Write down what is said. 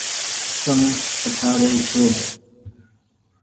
تم ڪٺآري ڇو۔